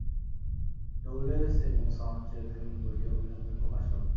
ডউলেস এবং সন্স চেয়েছিলেন বইটি অবিলম্বে প্রকাশ হোক।